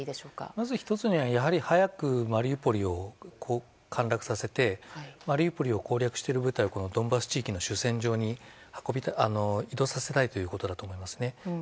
まず１つには早くマリウポリを陥落させてマリウポリを攻略している部隊をドンバス地方の主戦場に移動させたいということだと思います。